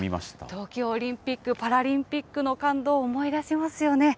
東京オリンピック・パラリンピックの感動を思い出しますよね。